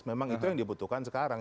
memang itu yang dibutuhkan sekarang